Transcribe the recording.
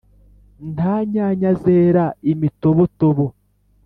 Nta nyanya zera imitobotobo